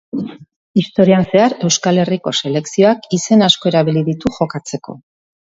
Historian zehar, Euskal Herriko selekzioak izen asko erabili ditu jokatzeko.